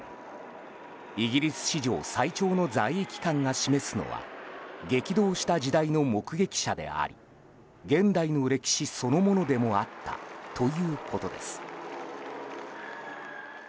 イギリス史上最長の在位期間が示すのは激動した時代の目撃者であり現代の歴史そのものでもあったということです。